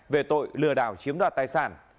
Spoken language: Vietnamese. về tội lừa đảo chiếm đoạt tài sản